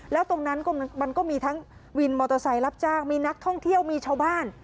แล้วตรงนั้นมันก็มีทั้งวินมอเตอร์ไซค์รับจ้างมีนักท่องเที่ยวมีชาวบ้าน